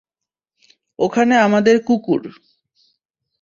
ওখানে আমাদের কুকুর।